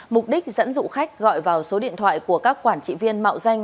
mục đích dẫn dụ khách gọi vào số điện thoại của các quản trị viên mạo danh